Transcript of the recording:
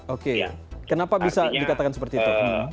oke kenapa bisa dikatakan seperti itu